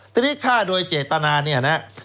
ทีนี้ฆ่าโดยเจตนาเนี่ยนะ